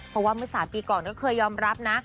เพราะว่า๓ปีก่อนเขายอมรับนะ